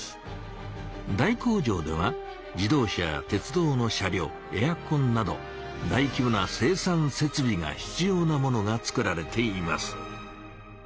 大工場では自動車や鉄道の車両エアコンなど大きぼな生産せつびが必要なものが作られています。